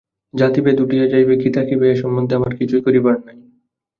জাতিভেদ উঠিয়া যাইবে কি থাকিবে, এ সম্বন্ধে আমার কিছুই করিবার নাই।